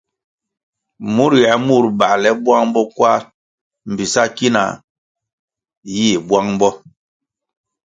Mur yie mur bale bwang bo kwar bi sa ki na yih bwang bo.